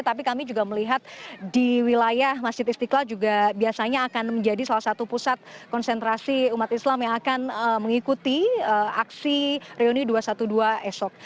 tapi kami juga melihat di wilayah masjid istiqlal juga biasanya akan menjadi salah satu pusat konsentrasi umat islam yang akan mengikuti aksi reuni dua ratus dua belas esok